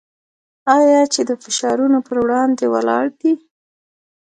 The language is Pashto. آیا چې د فشارونو پر وړاندې ولاړ دی؟